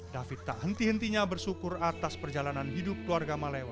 david tak henti hentinya bersyukur atas perjalanan hidup keluarga maleo